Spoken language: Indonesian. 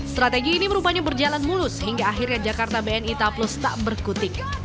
strategi ini rupanya berjalan mulus hingga akhirnya jakarta bni taplus tak berkutik